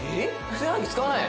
炊飯器使わない？」